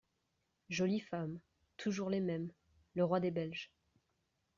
Jolies femmes… toujours les mêmes… le roi des Belges.